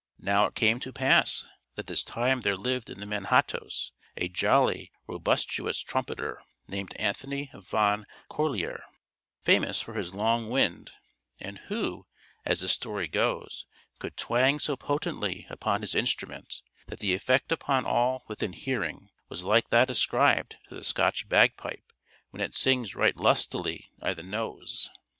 Now it came to pass that this time there lived in the Manhattoes a jolly, robustious trumpeter, named Anthony Van Corlear, famous for his long wind; and who, as the story goes, could twang so potently upon his instrument that the effect upon all within hearing was like that ascribed to the Scotch bagpipe when it sings right lustily i' the nose.